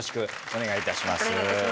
お願いいたします